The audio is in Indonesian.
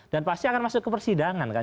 dan pasti akan masuk ke persidangan kan